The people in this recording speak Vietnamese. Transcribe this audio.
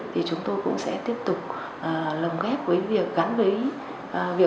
chúng tôi cũng sẽ tiếp tục lồng ghép với việc gắn với ý